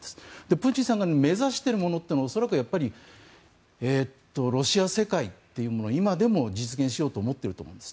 プーチンさんが目指しているものというのは恐らくロシア世界というものを今でも実現しようと思っていると思います。